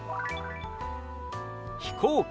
「飛行機」。